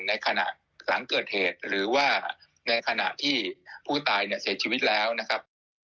ในขณะหลังเกิดเหตุหรือว่าในขณะที่ผู้ตายเนี่ยเสียชีวิตแล้วนะครับ